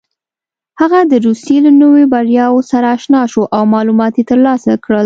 هغه د روسيې له نویو بریاوو سره اشنا شو او معلومات یې ترلاسه کړل.